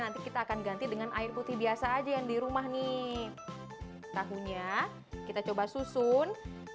nanti kita akan ganti dengan air putih biasa aja yang di rumah nih tahunya kita coba susun